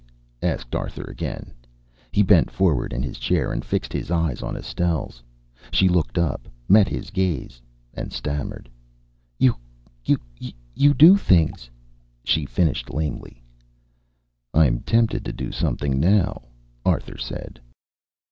asked Arthur again. He bent forward in his chair and fixed his eyes on Estelle's. She looked up, met his gaze, and stammered. "You you do things," she finished lamely. "I'm tempted to do something now," Arthur said.